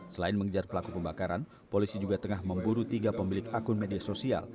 selain mengejar pelaku pembakaran polisi juga tengah memburu tiga pemilik akun media sosial